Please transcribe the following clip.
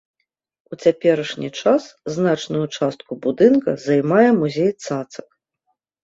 У цяперашні час значную частку будынка займае музей цацак.